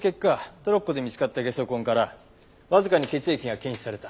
トロッコで見つかったゲソ痕からわずかに血液が検出された。